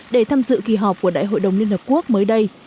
để tham dự kỳ họp của đại hội đồng liên hợp quốc mới đây